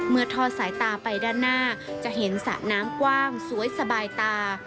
ทอดสายตาไปด้านหน้าจะเห็นสระน้ำกว้างสวยสบายตา